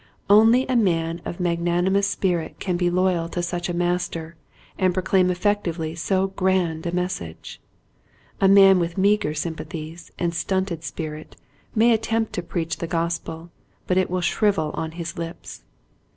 Only a man of mag nanimous spirit can be loyal to such a mas ter and proclaim effectively so grand a message. A man with meager sympathies and stunted spirit may attempt to preach the Gospel but it will shrivel on his lips.